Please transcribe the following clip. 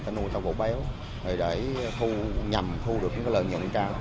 để nuôi cho gỗ béo để nhằm thu được những lợi nhận cao